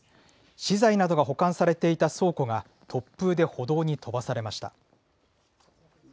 資材などが保管されていた倉庫が、突風で歩道に飛ばされました。